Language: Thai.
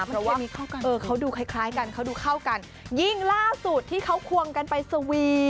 เพราะว่าเขาดูคล้ายคล้ายกันเขาดูเข้ากันยิ่งล่าสุดที่เขาควงกันไปสวี